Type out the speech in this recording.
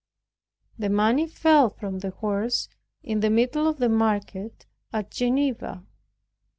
The money fell from the horse in the middle of the market at Geneva.